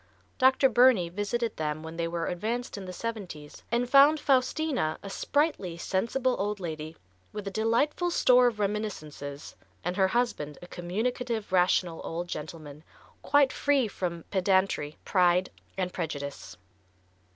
Dr. Burney visited them when they were advanced in the seventies and found Faustina a sprightly, sensible old lady, with a delightful store of reminiscences, and her husband a communicative, rational old gentleman, quite free from "pedantry, pride and prejudice."